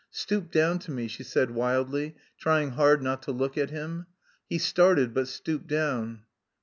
"Stoop down to me," she said wildly, trying hard not to look at him. He started but stooped down.